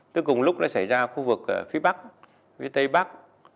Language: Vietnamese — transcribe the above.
tức cùng lúc đã xảy ra khu vực phía bắc phía tây bắc